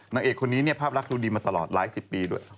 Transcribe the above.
นางเอกคนนี้เนี่ยภาพรักดูดีมาตลอดหลายสิบปีด้วย